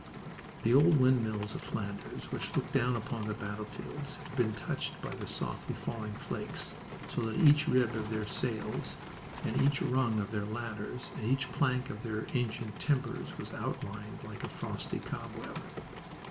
The old windmills of Flanders which looked down upon the battlefields had been touched by the softly falling flakes, so that each rib of their sails and each rung of their ladders and each plank of their ancient timbers was outlined like a frosty cobweb.